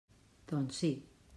Doncs, sí.